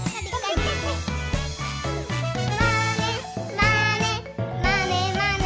「まねまねまねまね」